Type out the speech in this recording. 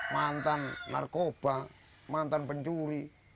mantan narkoba mantan pencuri